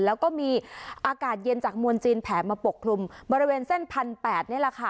แล้วก็มีอากาศเย็นจากมวลจีนแผลมาปกคลุมบริเวณเส้นพันแปดนี่แหละค่ะ